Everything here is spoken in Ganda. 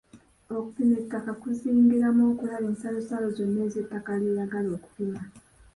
Okupima ettaka kuzingiramu okulaba ensalosalo zonna ez'ettaka ly'oyagala okupima.